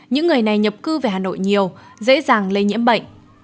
những người này nhập cư về hà nội nhiều dễ dàng lây nhiễm bệnh